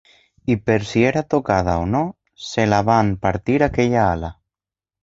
I per si era tocada o no, se la van partir aquella ala